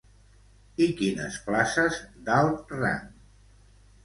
I quines places d'alt rang?